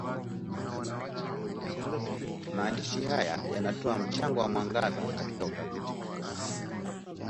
Maandishi haya yanatoa mchango wa mwangaza katika utafiti huu kuhusu